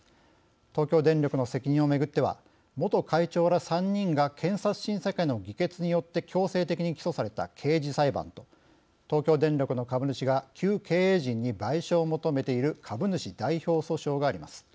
東京電力の責任を巡っては元会長ら３人が検察審査会の議決によって強制的に起訴された刑事裁判と東京電力の株主が旧経営陣に賠償を求めている株主代表訴訟があります。